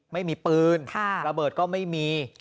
ไม่มีปืนระเบิดก็ไม่มี